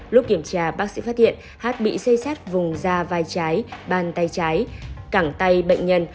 lúc kiểm tra bác sĩ phát hiện h bị xây xét vùng da vai trái bàn tay trái cẳng tay bệnh nhân